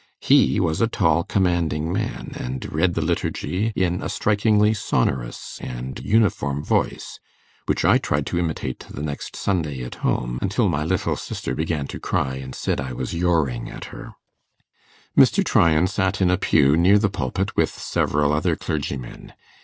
He was a tall commanding man, and read the Liturgy in a strikingly sonorous and uniform voice, which I tried to imitate the next Sunday at home, until my little sister began to cry, and said I was 'yoaring at her'. Mr. Tryan sat in a pew near the pulpit with several other clergymen.